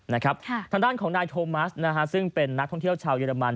ทางด้านของนายโทมัสนะฮะซึ่งเป็นนักท่องเที่ยวชาวเยอรมัน